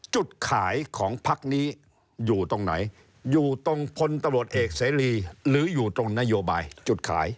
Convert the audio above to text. จุดขายของพักนี้อยู่ตรงไหนอยู่ตรงพลตำรวจเอกเสรีหรืออยู่ตรงนโยบายจุดขาย